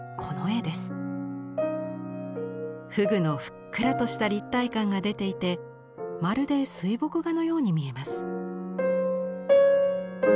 河豚のふっくらとした立体感が出ていてまるで水墨画のように見えます。